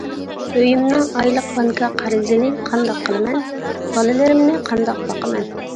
ئۆيۈمنىڭ ئايلىق بانكا قەرزىنى قانداق قىلىمەن؟ ! بالىلىرىمنى قانداق باقىمەن؟ !